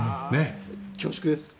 恐縮です。